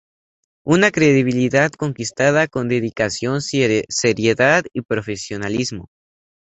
Una credibilidad conquistada con dedicación, seriedad y profesionalismo.